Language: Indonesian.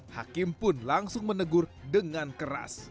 hakim pun langsung menegur dengan keras